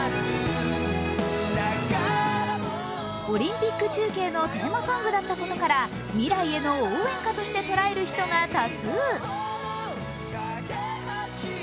オリンピック中継のテーマソングだったことから未来への応援歌として捉える人が多数。